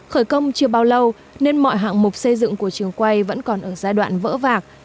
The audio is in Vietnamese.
khởi công chưa bao lâu nên mọi hạng mục xây dựng của trường quay vẫn còn ở giai đoạn vỡ vạc